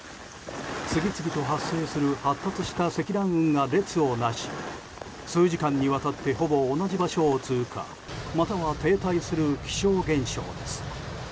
次々と発生する発達した積乱雲が列をなし数時間にわたってほぼ同じ場所を通過または停滞する気象現象です。